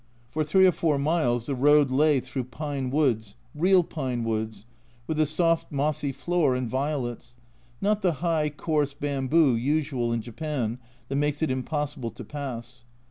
For 3 or 4 miles the road lay through pine woods, real pine woods, with a soft mossy floor and violets, not the high, coarse bamboo usual in Japan, that makes it impossible to pass.